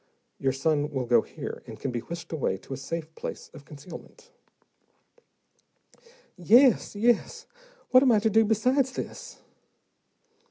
Your son will go here, and can be whisked away to a safe place of concealment." "Yes, yes. What am I to do besides this?"